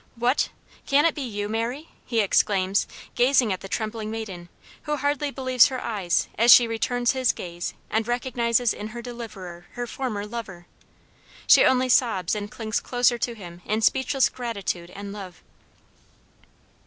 "What! can it be you, Mary?" he exclaims, gazing at the trembling maiden, who hardly believes her eyes as she returns his gaze and recognizes in her deliverer her former lover. She only sobs and clings closer to him in speechless gratitude and love.